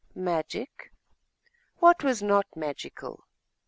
Magic? What was not magical?